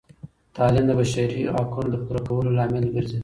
تعلیم د بشري حقونو د پوره کولو لامل ګرځي.